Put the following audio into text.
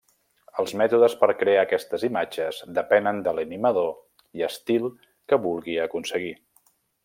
Els mètodes per crear aquestes imatges depenen de l'animador i estil que vulgui aconseguir.